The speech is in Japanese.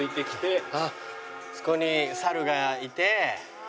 あそこに猿がいて。